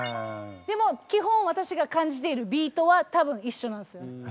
でも基本私が感じているビートは多分一緒なんですよ。へえ。